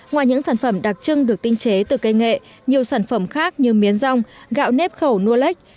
ngoài những sản phẩm đặc trưng được tinh chế từ cây nghệ nhiều sản phẩm khác như miến rong gạo nếp khẩu nua lách